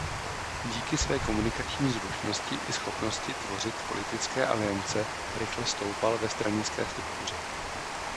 Díky své komunikační zručnosti i schopnosti tvořit politické aliance rychle stoupal ve stranické struktuře.